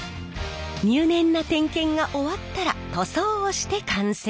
入念な点検が終わったら塗装をして完成！